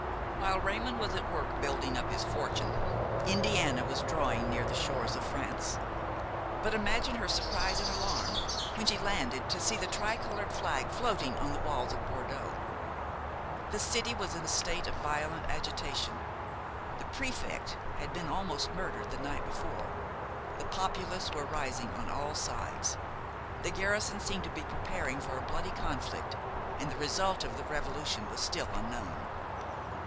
While Raymon was at work building up his fortune, Indiana was drawing near the shores of France. But imagine her surprise and alarm, when she landed, to see the tri colored flag floating on the walls of Bordeaux! The city was in a state of violent agitation; the prefect had been almost murdered the night before; the populace were rising on all sides; the garrison seemed to be preparing for a bloody conflict, and the result of the revolution was still unknown.